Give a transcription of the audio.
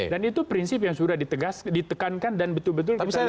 dan itu prinsip yang sudah ditegaskan ditekankan dan betul betul kita lihat langsung